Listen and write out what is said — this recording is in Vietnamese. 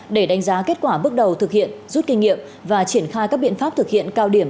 để đánh giá kết quả bước đầu thực hiện rút kinh nghiệm và triển khai các biện pháp thực hiện cao điểm